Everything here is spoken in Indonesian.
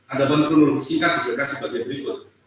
ada penelusuran singkat